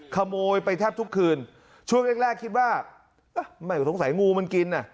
ขโมยไปแทบทุกคืนช่วงแรกแรกคิดว่าไม่สงสัยงูมันกินน่ะ